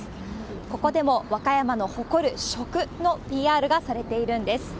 ここでも和歌山の誇る食のＰＲがされているんです。